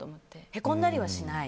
へこんだりはしない？